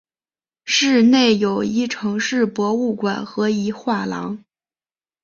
市内有一城市博物馆和一个画廊。